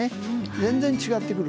全然違ってくる。